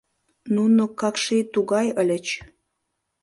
Нуно какший тугай ыльыч.